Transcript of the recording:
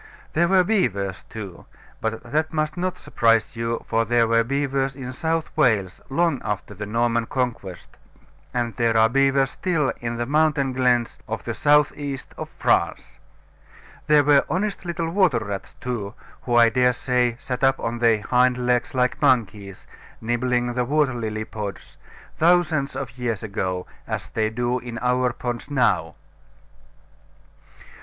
There were beavers too: but that must not surprise you, for there were beavers in South Wales long after the Norman Conquest, and there are beavers still in the mountain glens of the south east of France. There were honest little water rats too, who I dare say sat up on their hind legs like monkeys, nibbling the water lily pods, thousands of years ago, as they do in our ponds now.